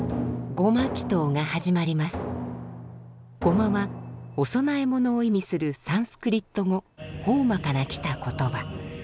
「ゴマ」はお供え物を意味するサンスクリット語「ホーマ」からきた言葉。